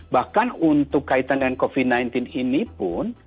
bahkan untuk kaitan dengan covid sembilan belas ini pun